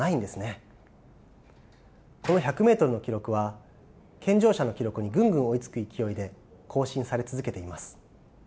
この１００ｍの記録は健常者の記録にぐんぐん追いつく勢いで更新され続けています。